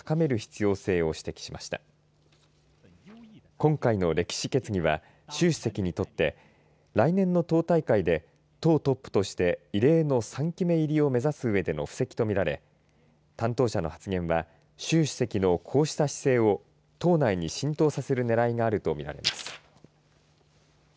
今回の歴史決議は習主席にとって来年の党大会で党トップとして異例の３期目入りを目指すうえでの布石とみられ担当者の発言は習主席のこうした姿勢を党内に浸透させるねらいがあるとみられます。